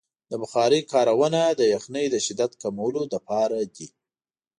د بخارۍ کارونه د یخنۍ د شدت کمولو لپاره دی.